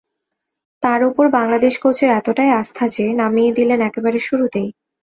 তাঁর ওপর বাংলাদেশ কোচের এতটাই আস্থা যে, নামিয়ে দিলেন একেবারে শুরুতেই।